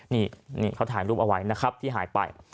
นี่เขาถ่ายรูปเอาไว้นะครับที่หายไป